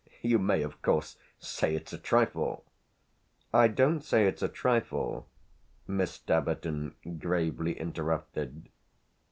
You may, of course, say it's a trifle !" "I don't say it's a trifle," Miss Staverton gravely interrupted.